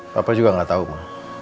papa juga gak tau ma